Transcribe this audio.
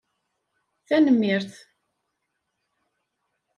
Tanemmirt!